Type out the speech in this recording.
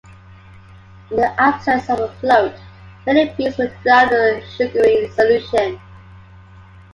In the absence of a float, many bees will drown in the sugary solution.